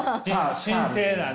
神聖なね。